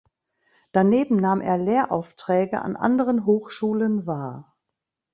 Daneben nahm er Lehraufträge an anderen Hochschulen wahr.